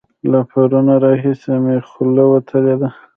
له پرونه راهسې مې خوله وتلې ده.